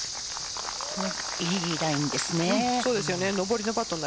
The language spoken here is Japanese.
いいラインですね。